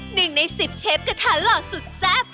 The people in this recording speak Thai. หนึ่งในสิบเชฟกระถาหล่อสุดแซ่บ